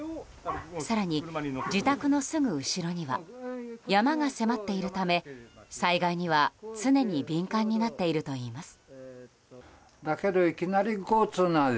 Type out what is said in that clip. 更に、自宅のすぐ後ろには山が迫っているため災害には常に敏感になっているといいます。